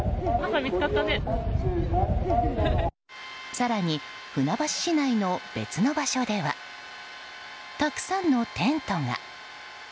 更に、船橋市内の別の場所ではたくさんのテントが。